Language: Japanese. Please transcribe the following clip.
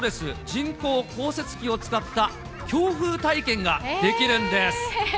人工降雪機を使った強風体験ができるんです。